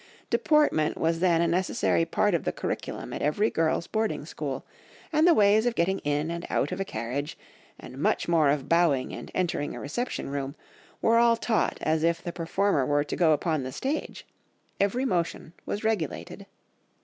Deportment was then a necessary part of the curriculum at every girls' boarding school; and the ways of getting in and out of a carriage, and much more of bowing and entering a reception room, were all taught as if the performer were to go upon the stage; every motion was regulated.